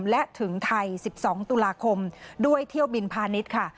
และถึงไทย๑๒ตุลาคมด้วยเที่ยวบินพาณิชย์ค่ะ